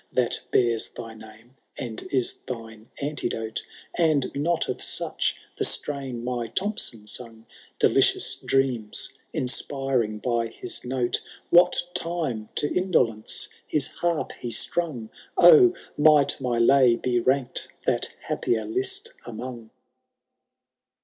That bears thy name, and is thine antidote ; And not of such the strain my Thomson sung, Delicious dreams inspiring by his note. What time to Indolence his harp he strung ;— Oh ! might my lay be rank'd that happier list among